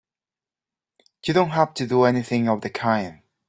You don't have to do anything of the kind!